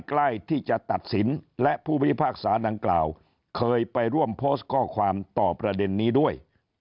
ใกล้ที่จะตัดสินและผู้พิพากษาดังกล่าวเคยไปร่วมโพสต์ข้อความต่อประเด็นนี้ด้วย